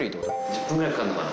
１０分ぐらいかかるのかな